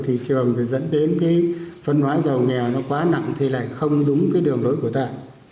thị trường dẫn đến phân hóa giàu nghèo quá nặng thì lại không đúng đường lối của ta